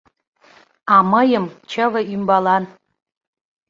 А мыйым — чыве ӱмбалан.